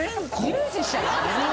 ミュージシャン？